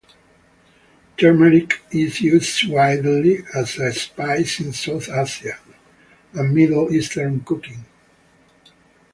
Turmeric is used widely as a spice in South Asian and Middle Eastern cooking.